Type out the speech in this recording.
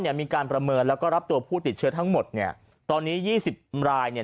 มีการประเมินแล้วก็รับตัวผู้ติดเชื้อทั้งหมดเนี่ยตอนนี้ยี่สิบรายเนี่ย